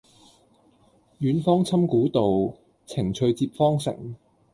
遠芳侵古道，晴翠接荒城。